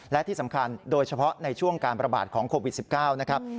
และที่สำคัญโดยเฉพาะในช่วงการประบาดของโควิด๑๙นะครับ